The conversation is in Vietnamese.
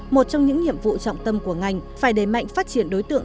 một trong những nhiệm vụ trọng tâm của ngành phải đề mạnh phát triển đối tượng